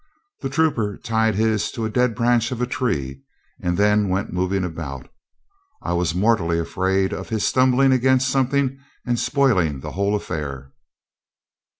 The trooper tied his to a dead branch of a tree, and then went moving about. I was mortally afraid of his stumbling against something and spoiling the whole affair.